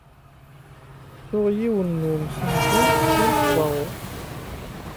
Tuɣ yiwen n wemsenzu d anesbaɣur.